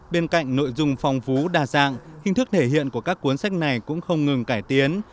bên cạnh nội dung phong phú đa dạng hình thức thể hiện của các cuốn sách này cũng không ngừng cải tiến